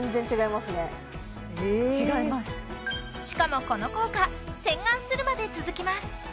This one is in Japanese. しかもこの効果洗顔するまで続きます